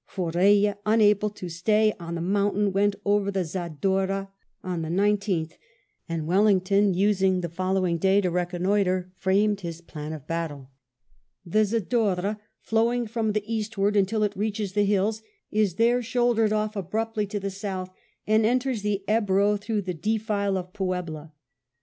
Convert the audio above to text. For Eeille, unable to stay on the mountain, went over the Zadorra on the 19th; and Wellington, using the following day to reconnoitre, framed his plan of battle. The Zadorra, flowing from the eastward until it reaches the hills, is there shouldered off abruptly to the south and enters the Ebro through the defile of Puebla.